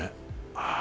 ああ！